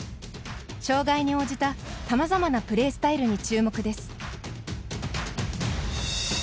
障がいに応じた、さまざまなプレースタイルに注目です。